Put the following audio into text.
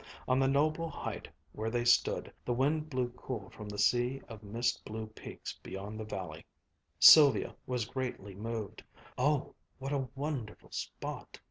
On the noble height where they stood, the wind blew cool from the sea of mist blue peaks beyond the valley. Sylvia was greatly moved. "Oh, what a wonderful spot!"